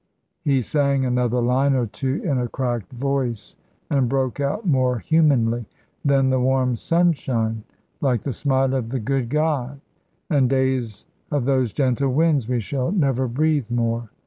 He sang another line or two in a cracked voice, and broke out more humanly: "Then the warm sunshine like the smile of the good God, and days of those gentle winds we shall never breathe more.